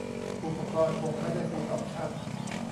อุปกรณ์คงไม่ได้ฟูลออปชั่น